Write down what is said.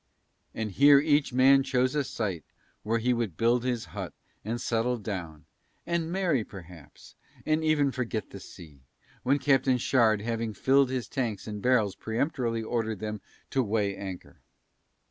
And here each man chose a site where he would build his hut, and settle down, and marry perhaps, and even forget the sea; when Captain Shard having filled his tanks and barrels peremptorily ordered them to weigh anchor.